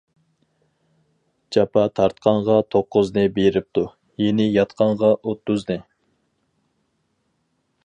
جاپا تارتقانغا توققۇزنى بېرىپتۇ، يېنى ياتقانغا ئوتتۇزنى.